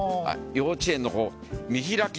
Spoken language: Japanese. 幼稚園』の見開き